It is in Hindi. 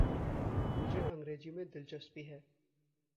मुझे अंग्रेज़ी में दिलचस्पी है।